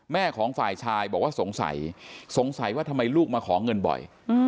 แม่ของฝ่ายชายบอกว่าสงสัยสงสัยว่าทำไมลูกมาขอเงินบ่อย